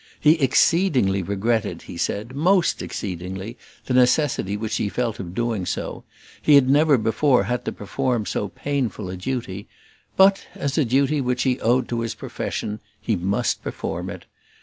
He exceedingly regretted, he said, most exceedingly, the necessity which he felt of doing so: he had never before had to perform so painful a duty; but, as a duty which he owed to his profession, he must perform it.